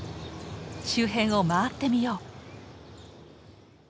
周辺を回ってみよう。